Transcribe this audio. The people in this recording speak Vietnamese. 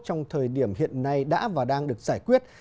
trong thời điểm hiện nay đã và đang được giải quyết